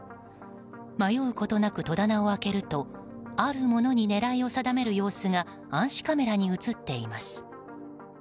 迷うことなく戸棚を開けるとあるものに狙いを定める様子が暗視カメラに映っています。